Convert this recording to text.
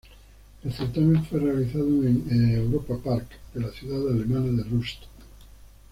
El certamen fue realizado en en Europa-Park de la ciudad alemana de Rust.